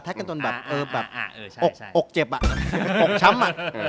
แท็กกันตลอดแบบอกเจ็บอะอกช้ำอะ